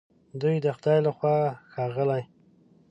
دوی د خدای له خوا ښاغلي